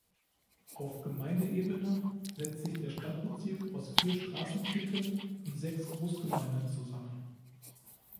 Auf Gemeindeebene setzt sich der Stadtbezirk aus vier Straßenvierteln und sechs Großgemeinden zusammen.